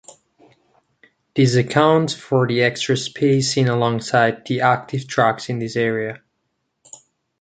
This accounts for the extra space seen alongside the active tracks in this area.